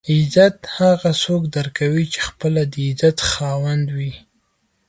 عزت هغه څوک درکوي چې خپله د عزت خاوند وي.